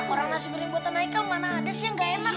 orang nasi goreng buatan icle mana ada sih yang gak enak